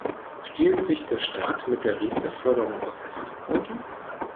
Stiehlt sich der Staat mit der Riester-Förderung aus der Verantwortung?